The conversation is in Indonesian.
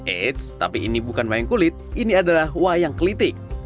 eits tapi ini bukan wayang kulit ini adalah wayang kelitik